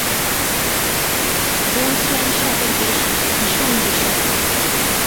Boomslang সাপের বিষ ভীষণ বিষাক্ত।